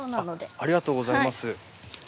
ありがとうございます。